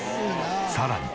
さらに。